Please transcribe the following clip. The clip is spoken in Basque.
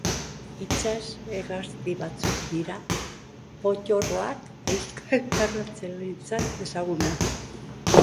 Itsas hegazti batzuk dira pottorroak, euskal arrantzaleentzat ezagunak.